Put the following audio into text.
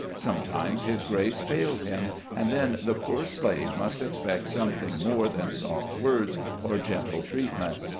Sometimes his grace failed him, and then the poor slave must expect something more than soft words or gentle treatment.